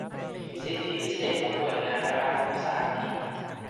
สิทธิพิเศษของหน่วยงานและรัฐวิสาหกิจ